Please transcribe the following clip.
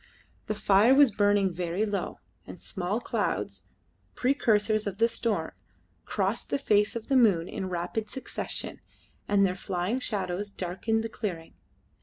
The fire was burning very low, and small clouds precursors of the storm crossed the face of the moon in rapid succession, and their flying shadows darkened the clearing.